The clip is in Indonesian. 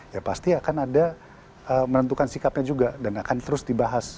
ya pasti akan ada menentukan sikapnya juga dan akan terus dibahas